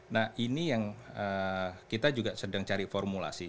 nah ini yang kita juga sedang cari formulasi